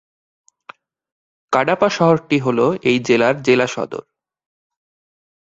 কাডাপা শহরটি হল এই জেলার জেলাসদর।